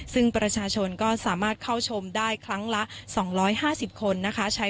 ซึ่งประชาชนก็สามารถเข้าชมได้ครั้งละสองร้อยห้าสิบคนนะคะ